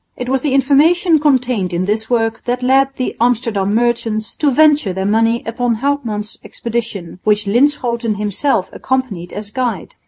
It was the information contained in this work that led the Amsterdam merchants to venture their money upon Houtman's expedition, which Linschoten himself accompanied as guide.